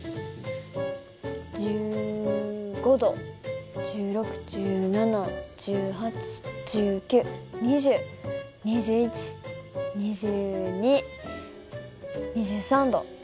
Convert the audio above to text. １５度１６１７１８１９２０２１２２２３度２４度。